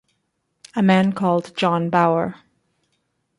A man called John Bauer.